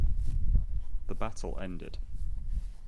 The battle ended.